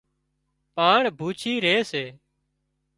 پاڻ ڀوڇي ري سي